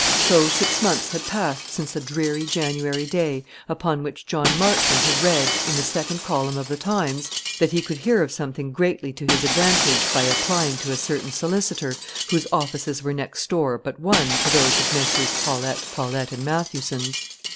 So six months had passed since a dreary January day upon which John Marchmont had read, in the second column of the "Times," that he could hear of something greatly to his advantage by applying to a certain solicitor, whose offices were next door but one to those of Messrs. Paulette, Paulette, and Mathewson's.